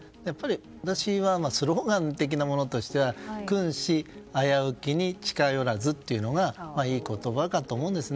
私はスローガン的なものとしては君子危うきに近寄らずというのがいい言葉かと思いますね。